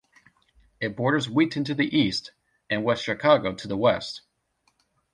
It borders Wheaton to the east and West Chicago to the west.